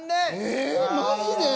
ええマジで？